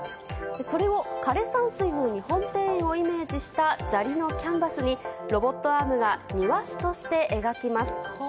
それを枯山水の日本庭園をイメージした砂利のキャンバスにロボットアームが庭師として描きます。